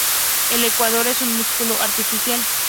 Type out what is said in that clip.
El actuador es un músculo artificial.